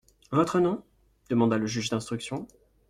Votre nom ? demanda le juge d'instruction.